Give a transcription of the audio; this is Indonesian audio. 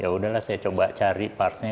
ya udahlah saya coba cari partnya